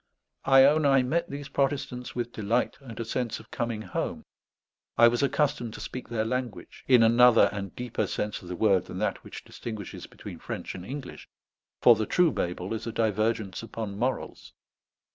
I own I met these Protestants with delight and a sense of coming home. I was accustomed to speak their language, in another and deeper sense of the word than that which distinguishes between French and English; for the true Babel is a divergence upon morals.